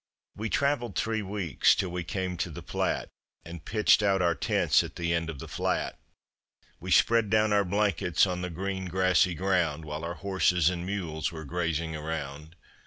We traveled three weeks till we came to the Platte And pitched out our tents at the end of the flat, We spread down our blankets on the green grassy ground, While our horses and mules were grazing around.